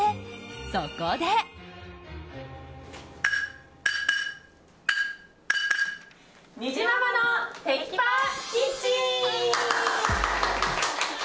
そこで。にじままのテキパキッチン！